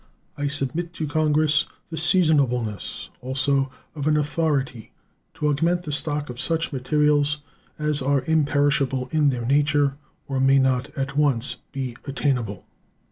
I submit to Congress the seasonableness also of an authority to augment the stock of such materials as are imperishable in their nature, or may not at once be attainable.